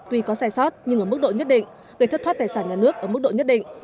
tuy có sai sót nhưng ở mức độ nhất định gây thất thoát tài sản nhà nước ở mức độ nhất định